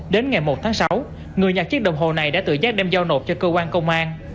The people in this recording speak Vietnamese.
đến ngày một tháng sáu người nhặt chiếc đồng hồ này đã tự giác đem giao nộp cho cơ quan công an